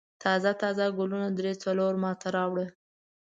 تازه تازه ګلونه درې څلور ما ته راوړه.